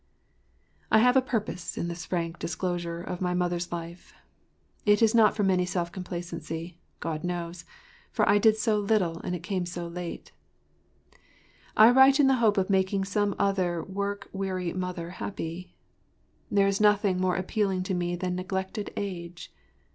I HAVE a purpose in this frank disclosure of my mother’s life. It is not from any self complacency, God knows, for I did so little and it came so late—I write in the hope of making some other work weary mother happy. There is nothing more appealing to me than neglected age.